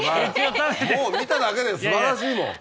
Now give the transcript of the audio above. もう見ただけで素晴らしいもん。